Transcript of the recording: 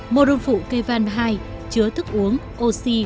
mô đôn phụ k van hai chứa thức uống oxy